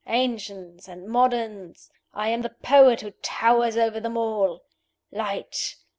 Ancients and moderns, I am the poet who towers over them all. Light!